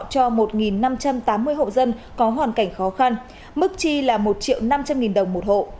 cho một năm trăm tám mươi hộ dân có hoàn cảnh khó khăn mức chi là một triệu năm trăm linh nghìn đồng một hộ